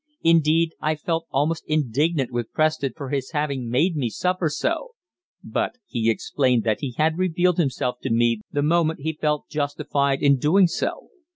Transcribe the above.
Indeed, I felt almost indignant with Preston for his having made me suffer so; but he explained that he had revealed himself to me the moment he felt justified in doing so.